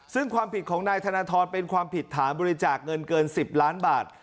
ซึ่งความผิดของนายธนทรเป็นความผิดฐานบริจาคเงินเกิน๑๐ล้านบาท